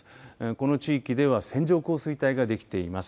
この地域では線状降水帯ができています。